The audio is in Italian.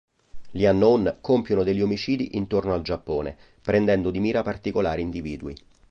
Gli Unknown compiono degli omicidi intorno al Giappone, prendendo di mira particolari individui.